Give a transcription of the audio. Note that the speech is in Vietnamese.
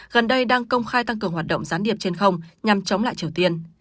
gần đây đang công khai tăng cường hoạt động gián điệp trên không nhằm chống lại triều tiên